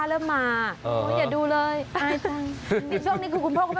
แล้วเขามีอายผู้ชม